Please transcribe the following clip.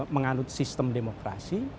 menganut sistem demokrasi